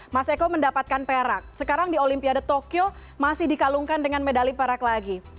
mas eko mendapatkan perak sekarang di olimpiade tokyo masih dikalungkan dengan medali perak lagi